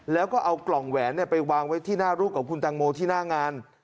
แล้วก็เอากล่องแหวนไปวางไว้ที่หน้ารูปของคุณตังโมที่หน้างาน